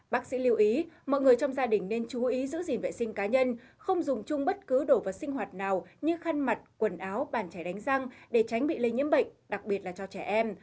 bác sĩ lưu ý mọi người trong gia đình nên chú ý giữ gìn vệ sinh cá nhân không dùng chung bất cứ đồ vật sinh hoạt nào như khăn mặt quần áo bàn trẻ đánh răng để tránh bị lây nhiễm bệnh đặc biệt là cho trẻ em